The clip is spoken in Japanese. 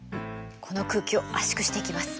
この空気を圧縮していきます。